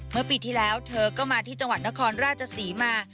เมื่อปีที่แล้วเธอก็มาที่จังหวัดนครราชศรีมา